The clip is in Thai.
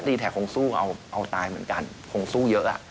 แทกคงสู้เอาตายเหมือนกันคงสู้เยอะ